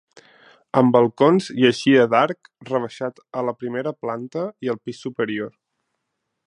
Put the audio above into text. Amb balcons i eixida d'arc rebaixat a la primera planta i al pis superior.